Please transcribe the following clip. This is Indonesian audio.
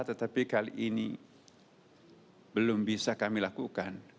tetapi kali ini belum bisa kami lakukan